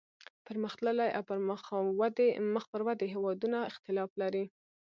پرمختللي او مخ پر ودې هیوادونه اختلاف لري